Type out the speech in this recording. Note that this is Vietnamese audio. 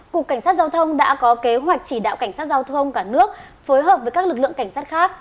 cục cảnh sát giao thông đã có kế hoạch chỉ đạo cảnh sát giao thông cả nước phối hợp với các lực lượng cảnh sát khác